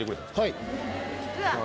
はい。